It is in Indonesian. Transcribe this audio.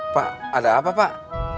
pak ada apa pak